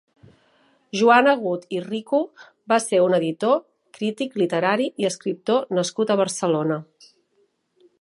Joan Agut i Rico va ser un editor, crític literari i escriptor nascut a Barcelona.